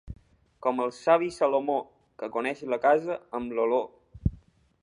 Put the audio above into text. Com el savi Salomó, que coneix la casa amb l'olor.